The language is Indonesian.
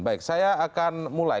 baik saya akan mulai